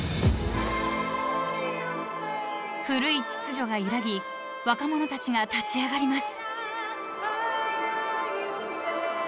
［古い秩序が揺らぎ若者たちが立ち上がります］